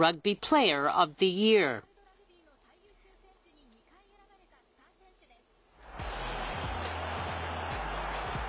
ワールドラグビーの最優秀選手に２回選ばれたスター選手です。